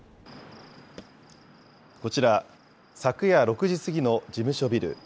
こちら、昨夜６時過ぎの事務所ビル。